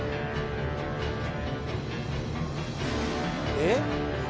えっ？